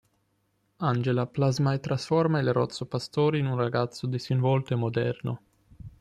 Angela plasma e trasforma il rozzo pastore in un ragazzo disinvolto e moderno.